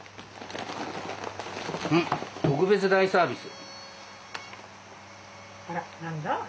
特別大サービス。